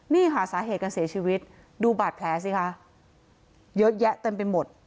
นี่ค่ะสาเหตุการเสียชีวิตดูบาดแผลสิคะเยอะแยะเต็มไปหมด